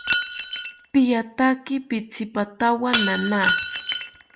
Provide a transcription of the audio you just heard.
Piataki pitzipatawo nana